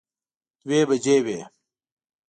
دوه بجې وې.